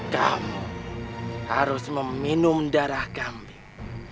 kamu harus meminum darah kambing